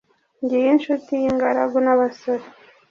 Ngiyo inshuti y’ ingaragu n’ abasore,